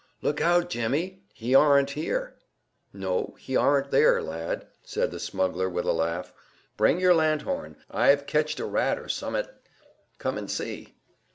"Look out, Jemmy. He aren't here." "No, he aren't there, lad," said the smuggler with a laugh. "Bring your lanthorn, I've ketched a rat or some'at. Come and see."